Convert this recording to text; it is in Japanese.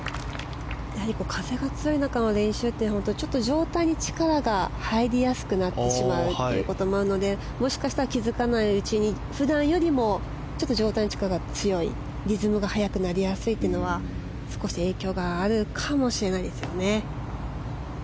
風が強い中の練習って上体に力が入りやすくなってしまうということもあるのでもしかしたら気づかないうちに普段よりも上体の力が強い、リズムが速くなりやすいというのが少し影響があるかもしれないですよね。